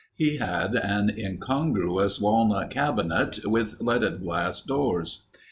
He had an incongruous walnut cabinet with leaded glass doors.